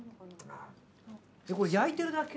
これ焼いてるだけ？